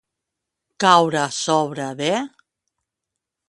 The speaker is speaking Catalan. Caure sobre de.